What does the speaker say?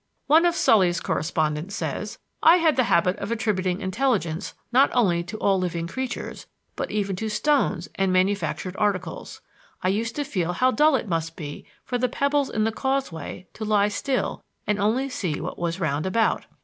'" One of Sully's correspondents says: "I had the habit of attributing intelligence not only to all living creatures ... but even to stones and manufactured articles. I used to feel how dull it must be for the pebbles in the causeway to lie still and only see what was round about.